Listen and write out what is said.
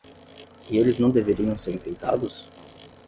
E eles não deveriam ser enfeitados?